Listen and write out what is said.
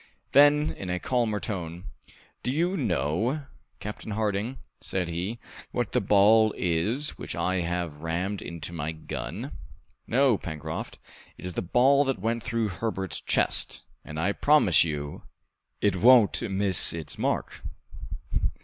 Then in a calmer tone, "Do you know, Captain Harding," said he, "what the ball is which I have rammed into my gun?" "No, Pencroft!" "It is the ball that went through Herbert's chest, and I promise you it won't miss its mark!"